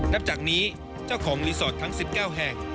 นับจากนี้เจ้าของรีสอร์ททั้ง๑๙แห่ง